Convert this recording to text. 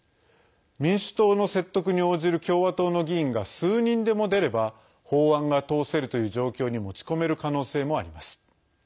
民主党の説得に応じる共和党の議員が数人でも出れば法案が通せるという状況に持ち込める可能性もあります。